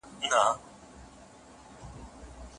هغې حضرت سلیمان علیه السلام ته د خپلې ړندې سترګې شکایت وکړ.